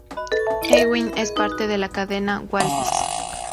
Ewing es parte de la cadena Walvis.